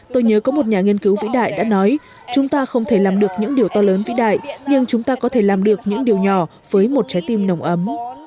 tôi nhớ có một nhà nghiên cứu vĩ đại đã nói chúng ta không thể làm được những điều to lớn vĩ đại nhưng chúng ta có thể làm được những điều nhỏ với một trái tim nồng ấm